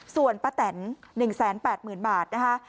ส่วนป้าแตน๑๘๐๐๐บาทนะคะ